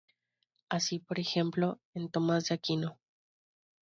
Así por ejemplo en Tomás de Aquino.